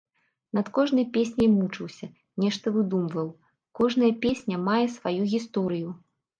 Над кожнай песняй мучыўся, нешта выдумваў, кожная песня мае сваю гісторыю.